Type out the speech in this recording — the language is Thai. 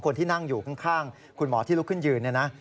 นั่งอยู่ข้างคุณหมอที่ลุกขึ้นยืนนะ